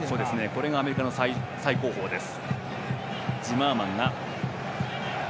これがアメリカの最後方です。